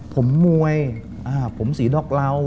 ผมมวยผมสีดอกเหล่า